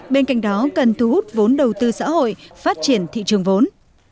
bên cạnh đó cần thu hút vốn đầu tư xã hội phát triển thị trường vốn